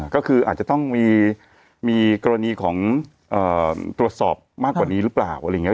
ก็คืออาจจะต้องมีกรณีของตรวจสอบมากกว่านี้หรือเปล่า